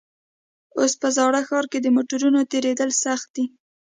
اوس په زاړه ښار کې د موټرو تېرېدل سخت دي.